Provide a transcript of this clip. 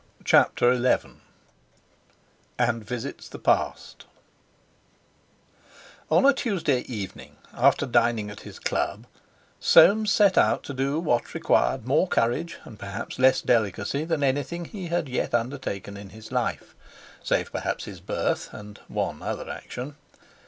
CHAPTER XI AND VISITS THE PAST On a Tuesday evening after dining at his club Soames set out to do what required more courage and perhaps less delicacy than anything he had yet undertaken in his life—save perhaps his birth, and one other action.